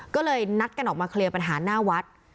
ก็เลยนัดกันออกมาเคลียร์ปัญหาหน้าวัด